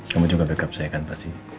kamu juga backup saya kan pasti